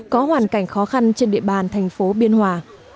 có hoàn cảnh khó khăn trên địa bàn thành phố biên hòa